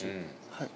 はい。